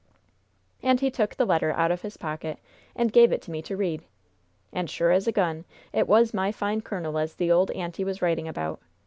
"And he took the letter out of his pocket and gave it to me to read, and, sure as a gun, it was my fine colonel as the old aunty was writing about!